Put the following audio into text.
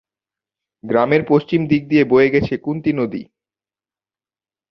গ্রামের পশ্চিম দিক দিয়ে বয়ে গেছে কুন্তী নদী।